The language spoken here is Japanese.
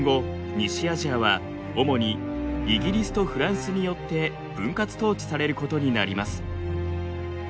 西アジアは主にイギリスとフランスによって分割統治されることになります。